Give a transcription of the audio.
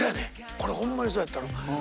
これほんまにそうやったの。